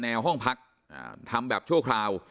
พี่สาวต้องเอาอาหารที่เหลืออยู่ในบ้านมาทำให้เจ้าหน้าที่เข้ามาช่วยเหลือ